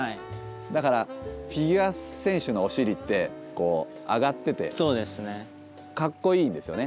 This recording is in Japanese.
だからフィギュア選手のお尻ってこう上がっててかっこいいんですよね。